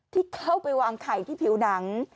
ที่เข้าไปวางไข่ที่ผิวหนัง